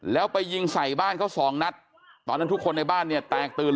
แล้วไปยิงใส่บ้านเขาสองนัดตอนนั้นทุกคนในบ้านเนี่ยแตกตื่น